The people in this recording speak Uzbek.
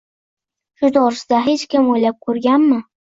Shu to‘g‘rida hech kim o‘ylab ko‘rganmi